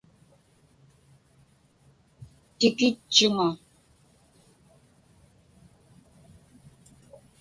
Tikitchuŋa.